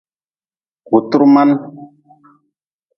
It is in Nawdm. Wutru man.